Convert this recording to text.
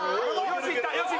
よしいった！